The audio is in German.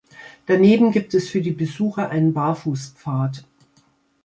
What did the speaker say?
Daneben gibt es für die Besucher einen Barfußpfad.